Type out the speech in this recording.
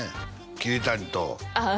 桐谷とああ